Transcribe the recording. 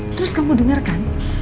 terus kamu denger kan